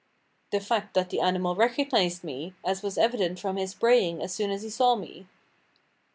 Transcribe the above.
"The fact that the animal recognized me, as was evident from his braying as soon as he saw me."